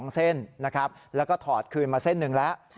๒เส้นนะครับแล้วก็ถอดคืนมาเส้นหนึ่งแล้ว